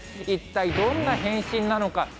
一体どんな変身なのか。